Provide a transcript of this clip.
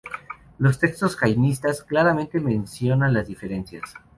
Los textos jainistas claramente mencionan las diferencias.